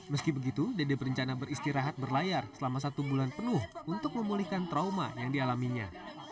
meski begitu dede berencana beristirahat berlayar selama satu bulan penuh untuk memulihkan trauma yang dialaminya